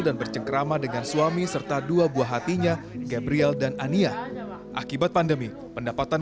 dan bercengkrama dengan suami serta dua buah hatinya gabriel dan ania akibat pandemi pendapatan